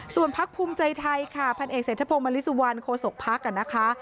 ส่วนพักภูมิใจไทยค่ะพันเอกเศรษฐพงศ์มริสุวรรณโคศกพักนะคะ